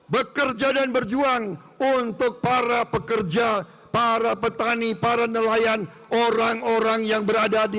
bekerja dan berjuang untuk para pekerja para petani para nelayan orang orang yang berada di